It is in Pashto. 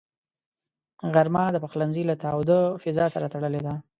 غرمه د پخلنځي له تاوده فضاء سره تړلې ده